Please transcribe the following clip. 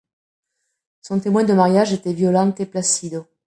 Son témoin de mariage était Violante Placido.